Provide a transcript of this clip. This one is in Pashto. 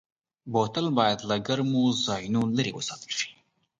بوتل باید له ګرمو ځایونو لېرې وساتل شي.